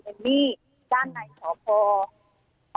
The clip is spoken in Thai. ด้านในขอโทษขอโทษค่ะด้านในสอนอกคณะยาวณเวลานี้สดสดเลยค่ะ